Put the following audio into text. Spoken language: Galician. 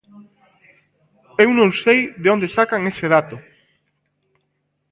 Eu non sei de onde sacan ese dato.